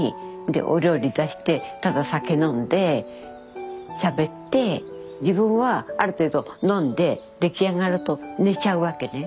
でお料理出してただ酒飲んでしゃべって自分はある程度飲んでできあがると寝ちゃうわけね。